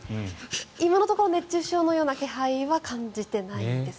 今のところ熱中症のような気配は感じていないですね。